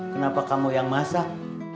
kenapa kamu yang masak